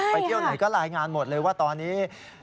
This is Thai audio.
เที่ยวไหนก็รายงานหมดเลยว่าตอนนี้